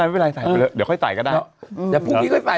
ไรไม่เป็นไรใส่ไปเลยเดี๋ยวค่อยใส่ก็ได้แต่พรุ่งนี้ก็ใส่